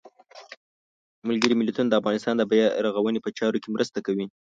ملګري ملتونه د افغانستان د بیا رغاونې په چارو کې مرسته کوي.